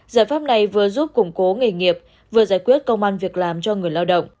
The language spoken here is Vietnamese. giải pháp này vừa giúp củng cố nghề nghiệp vừa giải quyết công an việc làm cho người lao động